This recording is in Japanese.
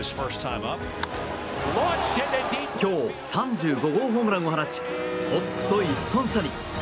今日、３５号ホームランを放ちトップと１本差に。